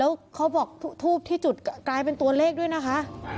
แล้วเขาบอกทูบที่จุดกลายเป็นตัวเลขด้วยนะคะ